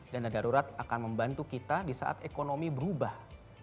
dana darurat akan membantu kita di saat ekonomi berubah